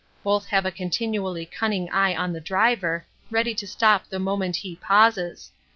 Both have a continually cunning eye on their driver, ready to stop the moment he pauses.